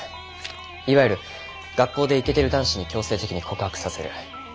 いわゆる学校でイケてる男子に強制的に告白させる。